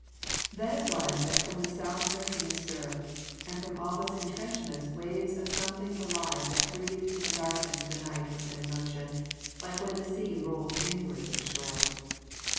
Then it was that from the south there came a stir, and from Alva’s entrenchments waves of something alive that breathed in the darkness of the night were set in motion, like when the sea rolls inwards to the shore.